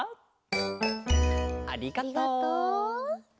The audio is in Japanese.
ありがとう。